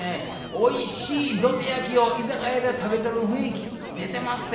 おいしいどて焼きを居酒屋で食べてる雰囲気出てまっせ。